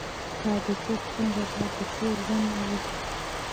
آیا د کور ستونزه باید له کوره ونه وځي؟